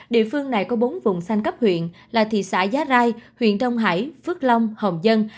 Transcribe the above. địa phương này có bốn vùng xanh cấp huyện là thị xã giá rai huyện đông hải phước long hòm dân